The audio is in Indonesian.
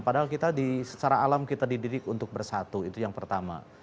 padahal kita secara alam kita dididik untuk bersatu itu yang pertama